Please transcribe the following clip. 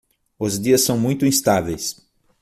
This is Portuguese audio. Os dias são muito instáveis